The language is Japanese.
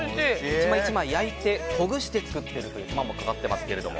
１枚１枚焼いてほぐして作っているという手間もかかっています。